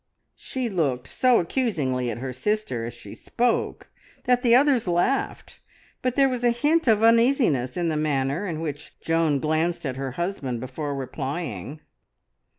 She looked so accusingly at her sister as she spoke that the others laughed, but there was a hint of uneasiness in the manner in which Joan glanced at her husband before replying.